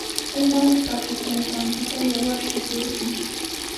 Uman pakikunqanpita yawar shuturqan.